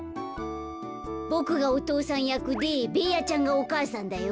ボクがおとうさんやくでベーヤちゃんがおかあさんだよ。